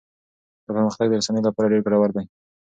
دا پرمختګ د رسنيو لپاره ډېر ګټور دی.